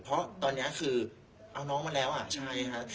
เพราะตอนนี้คือเอาน้องมาแล้วอ่ะใช่ครับ